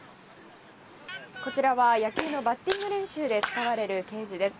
こちらは野球のバッティング練習で使われるケージです。